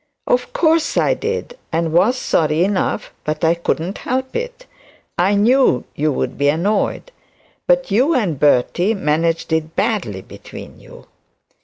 'Of course I did and was sorry enough; but I could not help it. I knew you would be annoyed. But you and Bertie managed it badly between you.'